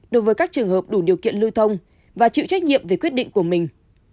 đối với các trường hợp đủ điều kiện lưu thông và chịu trách nhiệm về quyết định của mình